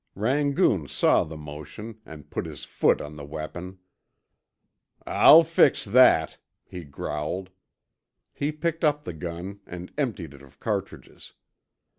Rangoon saw the motion, and put his foot on the weapon. "I'll fix that," he growled. He picked up the gun and emptied it of cartridges.